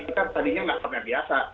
kita tadinya nggak pernah biasa